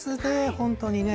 本当にね。